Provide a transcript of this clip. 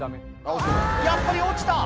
やっぱり落ちた！